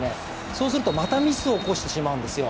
そうするとまたミスを起こしてしまうんですよ。